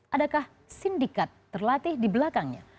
adakah sindikat terlatih di belakangnya